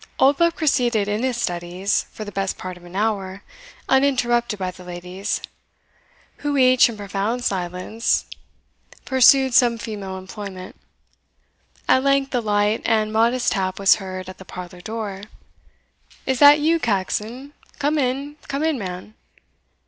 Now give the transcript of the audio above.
Oldbuck proceeded in his studies for the best part of an hour, uninterrupted by the ladies, who each, in profound silence, pursued some female employment. At length, a light and modest tap was heard at the parlour door. "Is that you, Caxon? come in, come in, man."